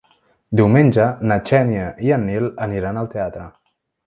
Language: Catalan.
Diumenge na Xènia i en Nil aniran al teatre.